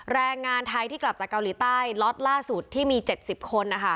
แรงงานไทยที่กลับจากเกาหลีใต้ล็อตล่าสุดที่มี๗๐คน